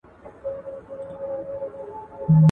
که بادام په سمه توګه بسته بندي شي نو تر کال پورې نه خرابیږي.